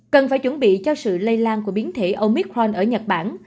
cần phải chuẩn bị cho sự lây lan của biến thể omicron ở nhật bản